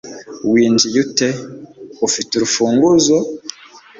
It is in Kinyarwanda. Winjiye ute? Ufite urufunguzo?